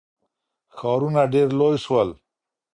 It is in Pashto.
ښارونه ډیر لوی سول.